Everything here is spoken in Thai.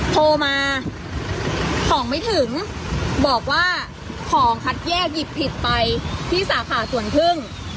โทรมาของไม่ถึงบอกว่าของคัดแยกหยิบผิดไปที่สาขาสวนพึ่ง